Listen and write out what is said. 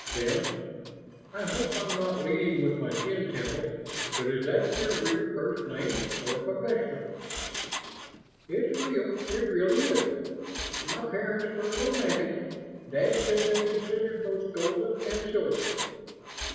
Then, "I hope I'm not leading with my chin, Temple, but is that your real first name or a professional?" "It's real; it really is. My parents were romantics: dad says they considered both 'Golden' and 'Silver'!"